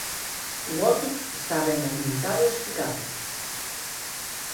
O voto está ben argumentado e explicado.